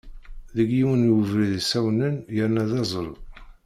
Deg yiwen webrid yessawnen yerna d aẓru.